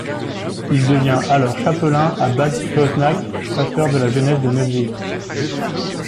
Il devient alors chapelain à Bad Kreuznach et pasteur de la jeunesse de Neuwied.